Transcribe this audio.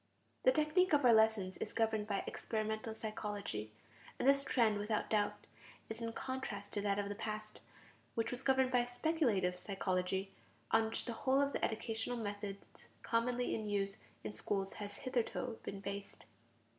The technique of our lessons is governed by experimental psychology. And this trend, without doubt, is in contrast to that of the past, which was governed by speculative psychology, on which the whole of the educational methods commonly in use in schools has hitherto been based.